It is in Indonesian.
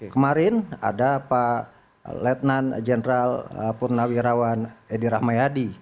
kemarin ada pak lieutenant general purnawirawan edi rahmayadi